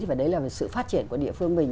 và đấy là về sự phát triển của địa phương mình